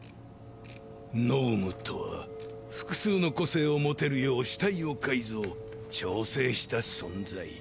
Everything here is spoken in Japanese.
脳無とは複数の個性を持てるよう死体を改造調整した存在。